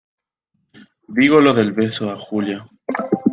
digo lo del beso a Julia.